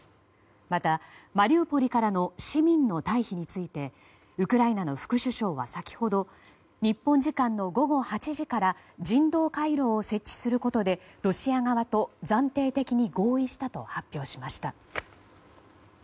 また、マリウポリからの市民の退避についてウクライナの副首相は先ほど日本時間の午後８時から人道回廊を設置することでロシア側と暫定的に合意したと発表しました。